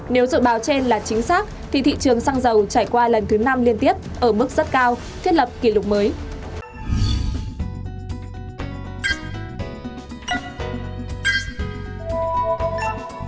nếu dự báo trên là chính xác thì thị trường xăng dầu trải qua lần thứ năm liên tiếp ở mức rất cao thiết lập kỷ lục mới